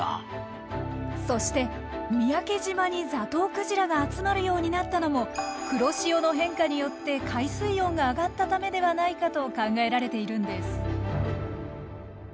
そして三宅島にザトウクジラが集まるようになったのも黒潮の変化によって海水温が上がったためではないかと考えられているんです。